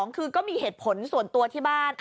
คือก็มีเหตุผลส่วนตัวที่บ้าน